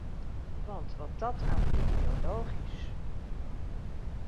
Want wat dat aan ideologisch...